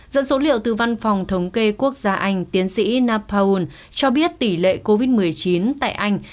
dẫn số liệu từ văn phòng thống kê quốc gia anh tiến sĩ napaoon cho biết tỷ lệ covid một mươi chín tại anh